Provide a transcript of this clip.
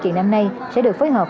hội kiện năm nay sẽ được phối hợp